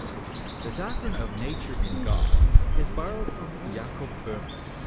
The doctrine of Nature in God is borrowed from Jacob Bohme.